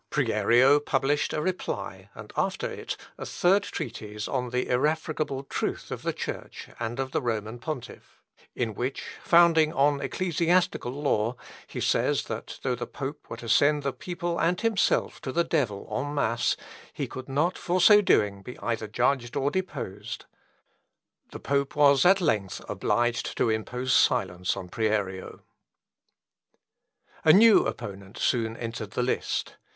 Prierio published a reply, and after it a third treatise on "the Irrefragable Truth of the Church and of the Roman Pontiff," in which, founding on ecclesiastical law, he says, that though the pope were to send the people and himself to the devil en masse, he could not for so doing be either judged or deposed. The pope was at length obliged to impose silence on Prierio. De Juridica et Irrefragabili Veritate Romanæ Ecclesiæ, lib. tertius, cap. 12. A new opponent soon entered the list.